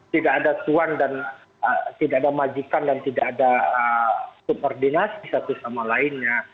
tidak ada tuan dan tidak ada majikan dan tidak ada subordinasi satu sama lainnya